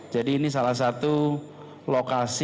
jadi ini salah satu lokasi